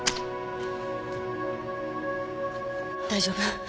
大丈夫。